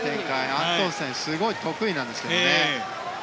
アントンセンすごい得意なんですけどね。